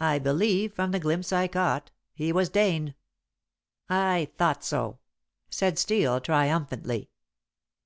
"I believe, from the glimpse I caught, he was Dane." "I thought so," said Steel triumphantly.